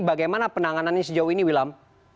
bagaimana penanganannya sejauh ini wilam